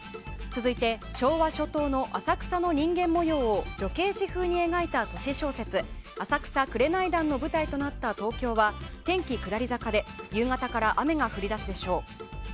続いて、昭和初頭の浅草の人間模様を叙景詩風に描いた都市小説「浅草紅団」の舞台となった東京は天気下り坂で夕方から雨が降り出すでしょう。